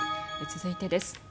続いてです。